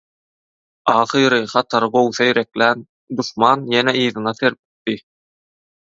Ahyry hatary gowy seýreklän duşman ýene yzyna serpikdi.